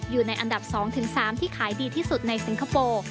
อยู่ในอันดับ๒๓ที่ขายดีที่สุดในสิงคโปร์